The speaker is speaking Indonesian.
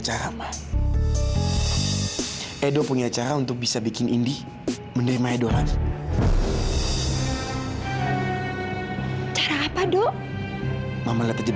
sampai jumpa di video selanjutnya